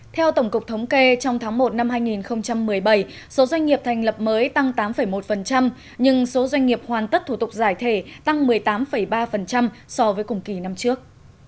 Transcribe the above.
theo tổng cục thống kê trong tháng một năm hai nghìn một mươi bảy số doanh nghiệp thành lập mới tăng tám một nhưng số doanh nghiệp hoàn tất thủ tục giải thể tăng một mươi tám ba so với cùng kỳ năm trước